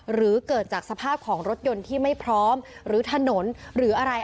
หรือเกิดจากสภาพของรถยนต์ที่ไม่พร้อมหรือถนนหรืออะไร